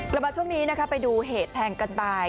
เรามาช่วงนี้ไปดูเหตุแทงกันตาย